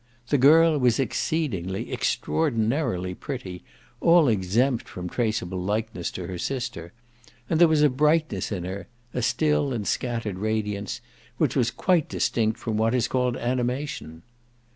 The girl was exceedingly, extraordinarily pretty, all exempt from traceable likeness to her sister; and there was a brightness in her a still and scattered radiance which was quite distinct from what is called animation.